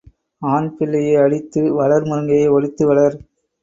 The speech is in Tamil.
ஆண்பிள்ளையை அடித்து வளர் முருங்கையை ஒடித்து வளர்.